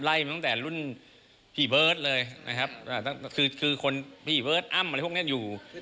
มาตั้งแต่รุ่นพี่เบิร์ตเลยนะครับคือคนพี่เบิร์ตอ้ำอะไรพวกนี้อยู่